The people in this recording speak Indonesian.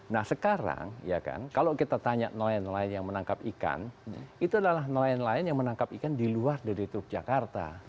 nah sekarang ya kan kalau kita tanya nelayan nelayan yang menangkap ikan itu adalah nelayan nelayan yang menangkap ikan di luar dari teluk jakarta